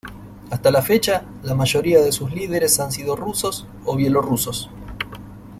Hasta la fecha, la mayoría de sus líderes han sido rusos o bielorrusos.